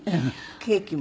ケーキも？